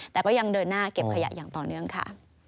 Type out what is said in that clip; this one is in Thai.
แต่ก็ยังเดินหน้าเก็บขยะอย่างต่อเนื่องค่ะ